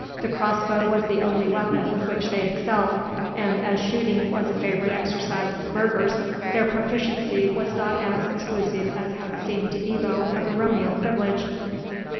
The crossbow was the only weapon with which they excelled; and, as shooting was a favourite exercise of the burghers, their proficiency was not as exclusive as had seemed to Ebbo a baronial privilege.